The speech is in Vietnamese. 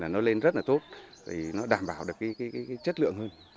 nó lên rất là tốt nó đảm bảo được chất lượng hơn